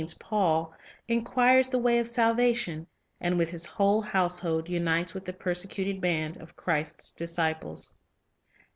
Lives of Great Men 67 Paul, inquires the way of salvation, and with his whole household unites with the persecuted band of Christ's disciples.